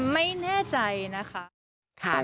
ไม่แน่ใจนะคะ